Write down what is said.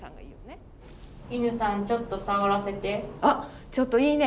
あっちょっといいね。